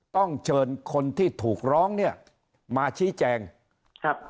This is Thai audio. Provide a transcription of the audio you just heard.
ต้องเชิญคนที่ถูกร้องเนี่ยมาชี้แจงครับ